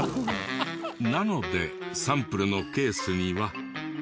なのでサンプルのケースには。